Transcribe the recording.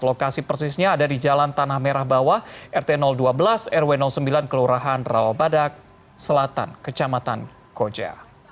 lokasi persisnya ada di jalan tanah merah bawah rt dua belas rw sembilan kelurahan rawabadak selatan kecamatan koja